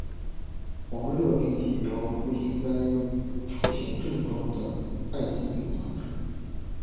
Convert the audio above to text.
黄热病疫苗不应该用于出现症状的爱滋病患者。